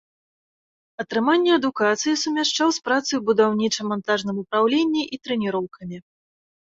Атрыманне адукацыі сумяшчаў з працай у будаўніча-мантажным упраўленні і трэніроўкамі.